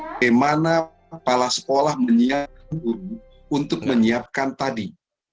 bagaimana kepala sekolah menyiapkan untuk menyiapkan tadi